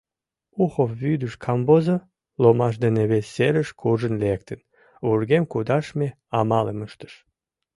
— Ухов вӱдыш камвозо! — ломаш дене вес серыш куржын лектын, вургем кудашме амалым ыштыш.